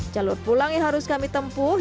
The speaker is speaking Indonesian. jalur pulang yang harus kami tempuh